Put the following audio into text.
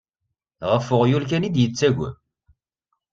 Ɣef uɣyul kan i d-yettagem.